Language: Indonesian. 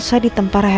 jadi kydi aku juga